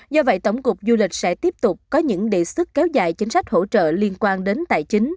do vậy tổng cục du lịch sẽ tiếp tục có những đề xuất kéo dài chính sách hỗ trợ liên quan đến tài chính